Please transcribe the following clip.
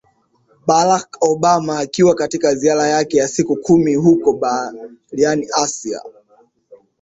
barack obama akiwa katika ziara yake ya siku kumi huko barani asia